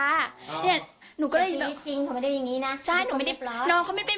เนี่ยหนูก็เลยแบบจริงหนูไม่ได้อย่างงี้นะใช่หนูไม่ได้เปล่าน้องเขาไม่เป็น